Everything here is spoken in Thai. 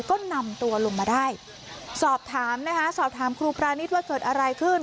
ก็นำตัวลงมาได้สอบถามนะคะสอบถามครูพรานิษฐ์ว่าเกิดอะไรขึ้น